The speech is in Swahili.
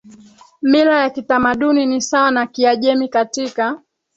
mila ya kitamaduni ni sawa na Kiajemi Katika